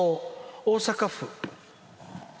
大阪府。